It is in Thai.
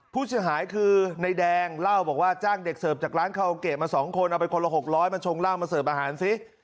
ผู้ชายหายคือในแดงเล่าบอกว่าจ้างเด็กเสิร์ฟจากร้านเขาเกะมาสองคนเอาไปคนละหกร้อยมาชงร่างมาเสิร์ฟอาหารซิ